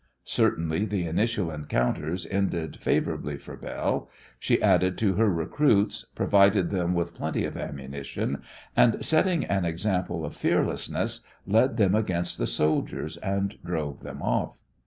Certainly the initial encounters ended favourably for Belle. She added to her recruits, provided them with plenty of ammunition, and, setting an example of fearlessness, led them against the soldiers, and drove them off.